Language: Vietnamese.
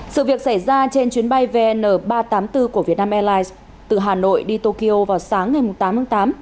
sự việc xảy ra trên chuyến bay vn ba trăm tám mươi bốn của vietnam airlines từ hà nội đi tokyo vào sáng ngày tám tháng tám